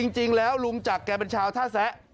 จริงแล้วลุงจักรแกเป็นชาวท่าแซะ